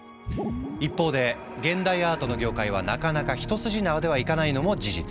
一方で現代アートの業界はなかなか一筋縄ではいかないのも事実。